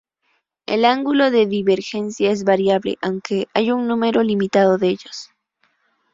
El ángulo de divergencia es variable, aunque hay un número limitado de ellos.